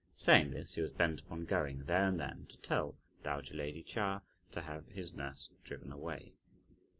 Saying this, he was bent upon going, there and then, to tell dowager lady Chia to have his nurse driven away.